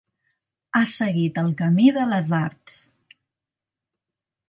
Ha seguit el camí de les arts.